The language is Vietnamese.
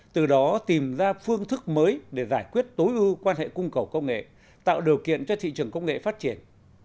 từ đó tìm ra phương thức mới để giải quyết tối ưu quan hệ cung cầu công nghệ tạo điều kiện cho thị trường công nghệ phát triển